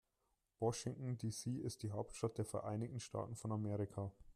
Washington, D.C. ist die Hauptstadt der Vereinigten Staaten von Amerika.